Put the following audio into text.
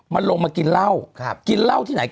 มันลงมากินเหล้ากินเหล้าที่ไหน